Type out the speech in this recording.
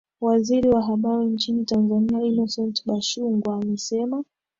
Waziri wa habari nchini Tanzania Innocent Bashungwa amesema